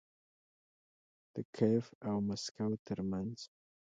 د کیف او مسکو ترمنځ